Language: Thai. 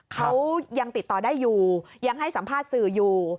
เขายังติดต่อได้อยู่ยังให้สัมภาษณ์สื่ออยู่